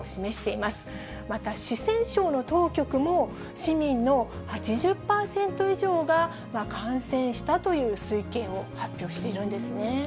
また四川省の当局も、市民の８０％以上が感染したという推計を発表しているんですね。